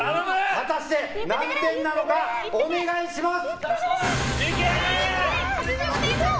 果たして何点なのかお願いします！